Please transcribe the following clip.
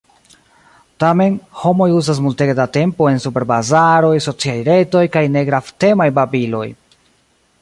Tamen, homoj uzas multege da tempo en superbazaroj, sociaj retoj, kaj negravtemaj babiloj.